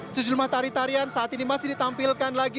susil mah tari tarian saat ini masih ditampilkan lagi